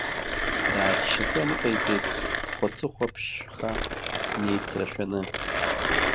Дааччашәа ныҟаиҵеит, дхәацыхәаԥшьха днеицрашәаны.